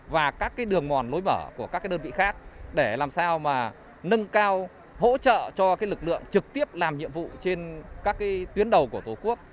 và các đường mòn lối mở của các đơn vị khác để làm sao mà nâng cao hỗ trợ cho lực lượng trực tiếp làm nhiệm vụ trên các tuyến đầu của tổ quốc